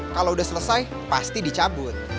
kalau sudah selesai pasti dicabut